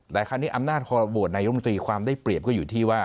แต่คราวนี้อำนาจคอโหวตนายมนตรีความได้เปรียบก็อยู่ที่ว่า